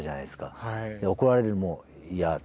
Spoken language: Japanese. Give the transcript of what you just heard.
怒られるのも嫌。